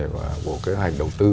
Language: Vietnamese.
và bộ kế hoạch đầu tư